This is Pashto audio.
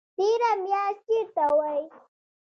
تېره میاشت چیرته وئ؟